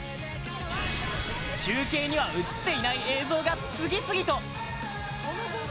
中継には映っていない映像が次々と！